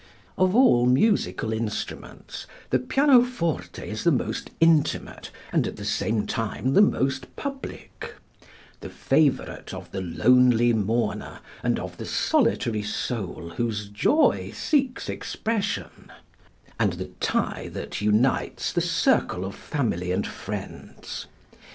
Of all musical instruments the pianoforte is the most intimate and at the same time the most public "the favorite of the lonely mourner and of the solitary soul whose joy seeks expression" and the tie that unites the circle of family and friends.